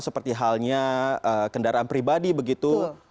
seperti halnya kendaraan pribadi begitu